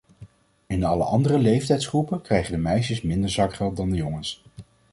In alle andere leeftijdsgroepen krijgen de meisjes minder zakgeld dan de jongens.